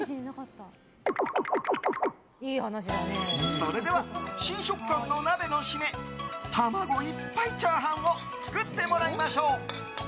それでは新食感の鍋のシメ卵いっぱいチャーハンを作ってもらいましょう。